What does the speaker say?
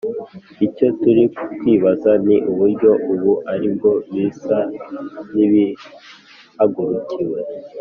icyo turi kwibaza ni uburyo ubu ari bwo bisa n'ibihagurukiwe